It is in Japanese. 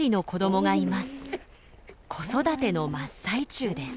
子育ての真っ最中です。